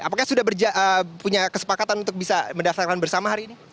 apakah sudah punya kesepakatan untuk bisa mendaftarkan bersama hari ini